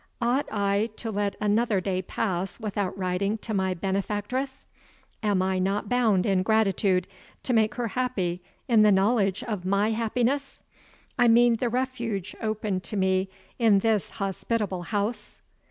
Ought I to let another day pass without writing to my benefactress? Am I not bound in gratitude to make her happy in the knowledge of my happiness I mean the refuge opened to me in this hospitable house?"